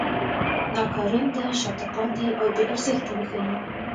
ناکارنده، شاته پاتې او بې ارزښته وښيي.